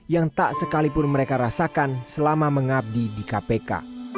yang tak sekalipun mereka rasakan selama mengabdi di kpk